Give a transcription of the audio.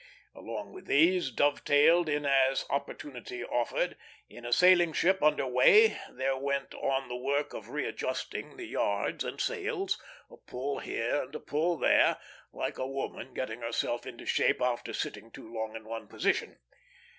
Along with these, dovetailed in as opportunity offered, in a sailing ship under way there went on the work of readjusting the yards and sails; a pull here and a pull there, like a woman getting herself into shape after sitting too long in one position.